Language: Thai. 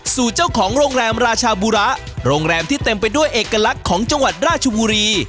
สู่เจ้าของโรงแรมราชาบุระโรงแรมที่เต็มไปด้วยเอกลักษณ์ของจังหวัดราชบุรี